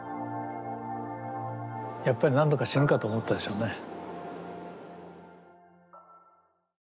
やっぱり何度か死ぬかと思ったでしょうね。